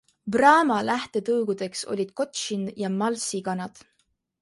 Brahma lähtetõugudeks olid kotšin ja malsi kanad.